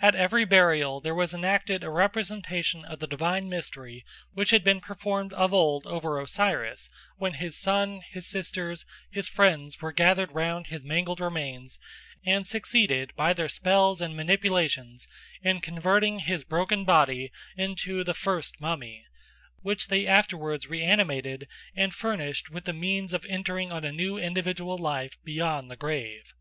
"At every burial there was enacted a representation of the divine mystery which had been performed of old over Osiris, when his son, his sisters, his friends were gathered round his mangled remains and succeeded by their spells and manipulations in converting his broken body into the first mummy, which they afterwards reanimated and furnished with the means of entering on a new individual life beyond the grave.